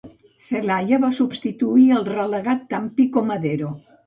Celaya va substituir el relegat Tampico Madero.